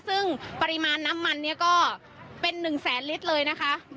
ซึ่งปริมาณน้ำมันก็เป็น๑๐๐๐๐๐ลิตรเลยนะคะ